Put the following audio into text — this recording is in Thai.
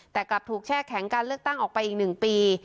แต่กลับถูกแช่แข็งการเลือกตั้งออกไปอีก๑ปี